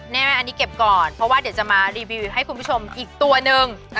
แม่อันนี้เก็บก่อนเพราะว่าเดี๋ยวจะมารีวิวให้คุณผู้ชมอีกตัวหนึ่ง